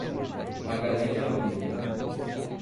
Magalhães de Almeida